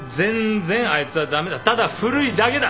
ただ古いだけだ。